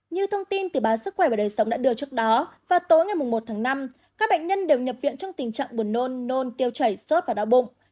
như thông tin từ báo sức khỏe và đời sống đã đưa trước đó vào tối ngày một tháng năm các bệnh nhân đều nhập viện trong tình trạng buồn nôn nôn tiêu chảy sốt và đau bụng